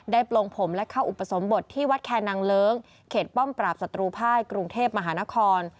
ปลงผมและเข้าอุปสมบทที่วัดแคนางเลิ้งเขตป้อมปราบศัตรูภายกรุงเทพมหานคร